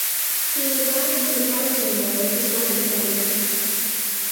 He resides in Eltingville with his wife and family.